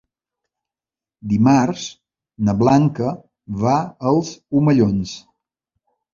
Dimarts na Blanca va als Omellons.